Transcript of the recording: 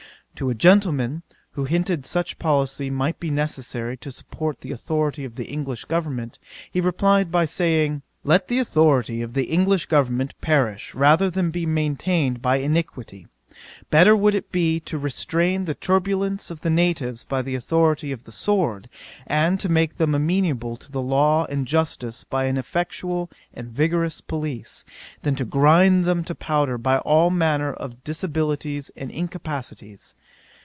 To a gentleman, who hinted such policy might be necessary to support the authority of the English government, he replied by saying, "Let the authority of the English government perish, rather than be maintained by iniquity. Better would it be to restrain the turbulence of the natives by the authority of the sword, and to make them amenable to law and justice by an effectual and vigorous police, than to grind them to powder by all manner of disabilities and incapacities.